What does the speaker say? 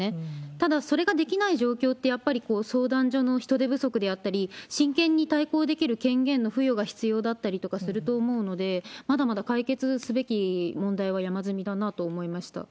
ただ、それができない状況って、やっぱり相談所の人手不足であったり、親権に対抗できる権限の付与が必要だったりとかすると思うので、まだまだ解決すべき問題は山積みだなと思いました。